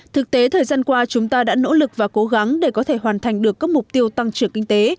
thực tế thời gian qua chúng ta đã nỗ lực và cố gắng để có thể hoàn thành được các mục tiêu tăng trưởng kinh tế